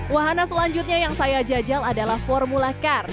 wahana selanjutnya yang saya jajal adalah formula car